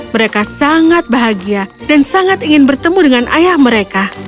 mereka sangat bahagia dan sangat ingin bertemu dengan ayah mereka